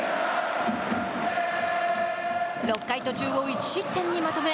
６回途中を１失点にまとめ